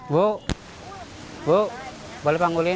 bu boleh panggulin